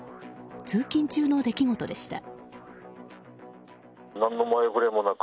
通勤中の出来事でした。